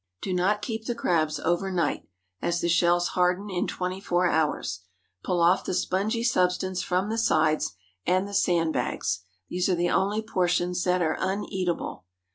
Do not keep the crabs over night, as the shells harden in twenty four hours. Pull off the spongy substance from the sides and the sand bags. These are the only portions that are uneatable.